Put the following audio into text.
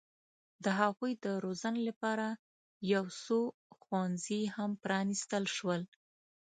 د هغوی د روزنې لپاره یو څو ښوونځي هم پرانستل شول.